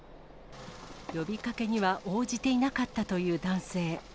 呼びかけには応じていなかったという男性。